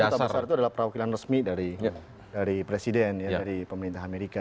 tentunya kan luta besar itu adalah perwakilan resmi dari presiden dari pemerintah amerika